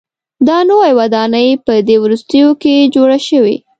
دا نوې ودانۍ په دې وروستیو کې جوړه شوې.